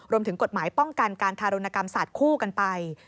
รวมถึงกฎหมายป้องกันการทารุณกรรมศาสตร์คู่กันไป